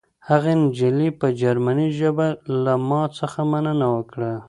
هغې نجلۍ په جرمني ژبه له ما څخه مننه وکړه